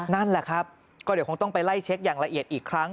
นั่นแหละครับก็เดี๋ยวคงต้องไปไล่เช็คอย่างละเอียดอีกครั้ง